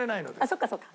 そっかそっか。